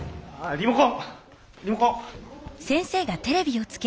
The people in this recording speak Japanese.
リモコン。